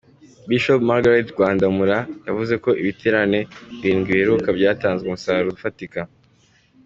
Bishop Margaret Rwandamura yavuze ko ibiterane birindwi biheruka byatanze umusaruro ufatika.